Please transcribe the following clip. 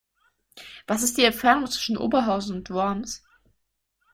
Was ist die Entfernung zwischen Oberhausen und Worms?